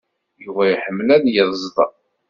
Yuba iḥemmel ad yeẓd.